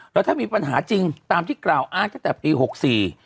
แล้วถ้ามีปัญหาจริงตามที่กล่าวอ้านก็แต่ปี๖๔